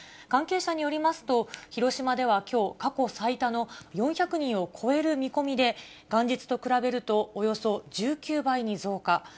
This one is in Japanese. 関係者によりますと、広島ではきょう過去最多の４００人を超える見込みで、元日と比べるとおよそ１９倍に増加。